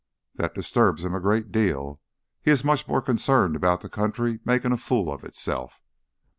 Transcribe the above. "That disturbs him a great deal. He is much more concerned about the country making a fool of itself."